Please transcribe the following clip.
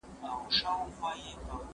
زه اوس سفر کوم!؟